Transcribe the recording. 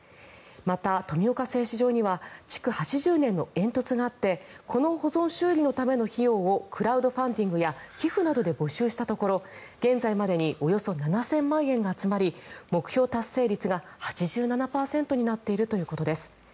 また、富岡製糸場には築８０年の煙突があってこの保存修理のための費用をクラウドファンディングや寄付などで募集したところ現在までにおよそ７０００万円集まり目標達成率が８７％になっているということです。